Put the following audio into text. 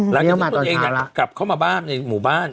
แล้วก็ตัวเองกลับเข้ามาบ้านในหมู่บ้าน